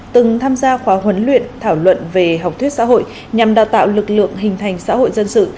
từng tham gia khóa huấn luyện thảo luận về học thuyết xã hội nhằm đào tạo lực lượng hình thành xã hội dân sự